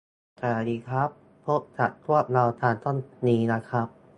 สวัสดีครับ พบกับพวกเราทางช่องนี้นะครับ